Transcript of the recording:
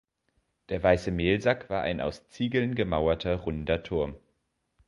Der Weiße Mehlsack war ein aus Ziegeln gemauerter runder Turm.